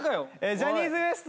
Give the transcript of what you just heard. ジャニーズＷＥＳＴ